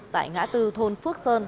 tại ngã tư thôn phước sơn